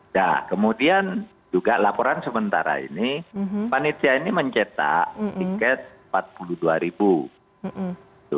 nah kemudian juga laporan sementara ini panitia ini mencetak tiket rp empat puluh dua